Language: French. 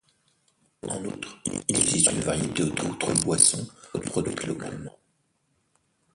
En outre, il existe une variété d'autres boissons produites localement.